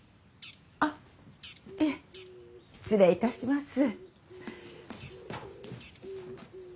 あっいえ失礼いたします。